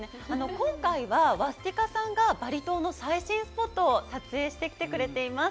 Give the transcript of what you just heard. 今回は、ワスティカさんがバリ島の最新スポットを撮影してきてくれています。